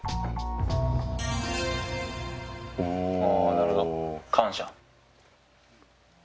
なるほど、感謝。